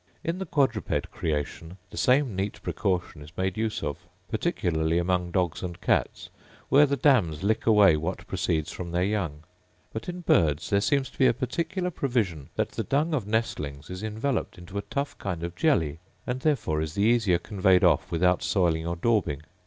In the quadruped creation the same neat precaution is made use of; particularly among dogs and cats, where the dams lick away what proceeds from their young. But in birds there seems to be a particular provision, that the dung of nestlings is enveloped into a tough kind of jelly, and therefore is the easier conveyed off without soiling or daubing.